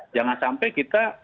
jangan sampai kita